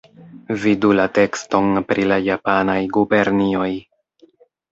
Vidu la tekston pri la japanaj gubernioj.